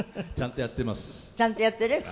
ちゃんとやっています。